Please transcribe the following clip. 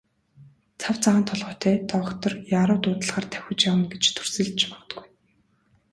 Цав цагаан толгойтой доктор яаруу дуудлагаар давхиж явна гэж дүрсэлж ч магадгүй.